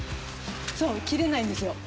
そう切れないんですよ。